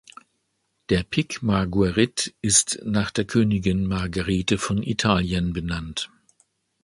Der Pic Marguerite ist nach der Königin Margarethe von Italien benannt.